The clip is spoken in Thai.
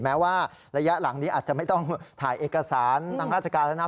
แม้ว่าระยะหลังนี้อาจจะไม่ต้องถ่ายเอกสารทางราชการแล้วนะ